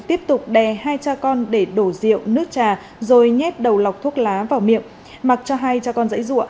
tiếp tục đè hai cha con để đổ rượu nước trà rồi nhép đầu lọc thuốc lá vào miệng mặc cho hai cha con dãy rụa